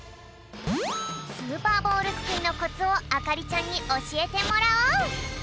スーパーボールすくいのコツをあかりちゃんにおしえてもらおう！